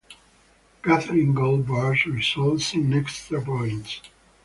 Gathering gold bars results in extra points.